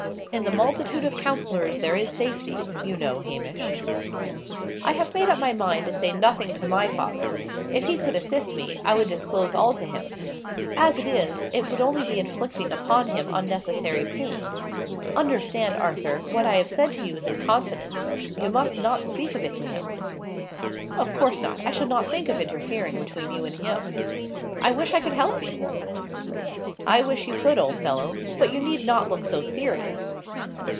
'In the multitude of counsellors there is safety,' you know, Hamish." "I have made up my mind to say nothing to my father. If he could assist me, I would disclose all to him: as it is, it would only be inflicting upon him unnecessary pain. Understand, Arthur, what I have said to you is in confidence: you must not speak of it to him." "Of course not. I should not think of interfering between you and him. I wish I could help you!" "I wish you could, old fellow. But you need not look so serious."